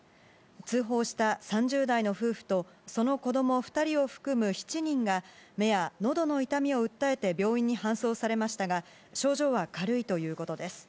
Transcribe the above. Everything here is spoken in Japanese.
通報した３０代の夫婦と、その子ども２人を含む７人が、目やのどの痛みを訴えて病院に搬送されましたが、症状は軽いということです。